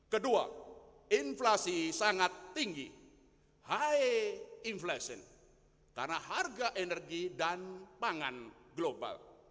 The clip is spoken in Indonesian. kedua inflasi sangat tinggi high inflation karena harga energi dan pangan global